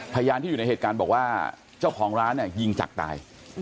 พยานที่อยู่ในเหตุการณ์บอกว่าเจ้าของร้านเนี่ยยิงจักรตาย